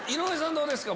どうですか？